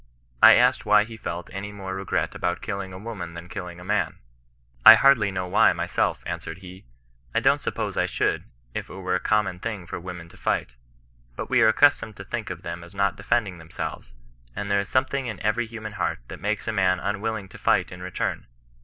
I asked why he felt any more regret about killing a woman than killing a man 1 ^ I hardly know why myself," answered he. ^^ I do^nt 8umK>se I should, if it were a common thing for women to fight. But we are accustomed to think of them as not defending themselves; and there is something iu every human heart that makes a man imwilling to fight in return.